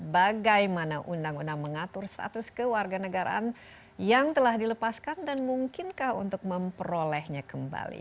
bagaimana undang undang mengatur status kewarganegaraan yang telah dilepaskan dan mungkinkah untuk memperolehnya kembali